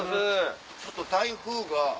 ちょっと台風が。